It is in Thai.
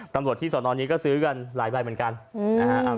ตำรวจที่สอนอนนี้ก็ซื้อกันหลายใบเหมือนกันนะฮะ